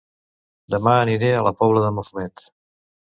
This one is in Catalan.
Dema aniré a La Pobla de Mafumet